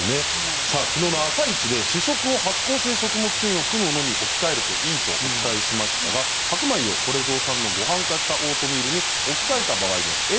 きのうの「あさイチ」で主食を発酵性食物繊維を含むものに置き換えるといいとお伝えしましたが白米をこれぞうさんのごはん化したオートミールに置き換えた場合の栄養価比較してみました。